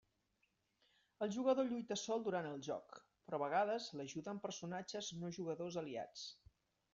El jugador lluita sol durant el joc, però a vegades l’ajuden personatges no jugadors aliats.